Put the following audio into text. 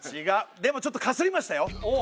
でもちょっとかすりましたよ。